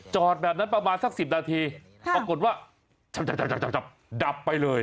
จอดแบบนั้นประมาณสักสิบนาทีขอบคุณว่าจับดับไปเลย